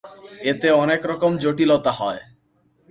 এতে অনেক রকম জটিলতা হয়।